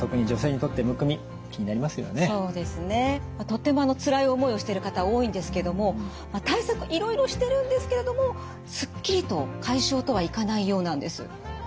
とってもつらい思いをしている方多いんですけども対策いろいろしてるんですけれどもスッキリと解消とはいかないようなんです。